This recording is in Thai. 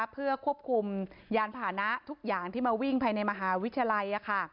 เพื่อควบคุมยานผ่านะทุกอย่างที่มาวิ่งภายในมหาวิทยาลัย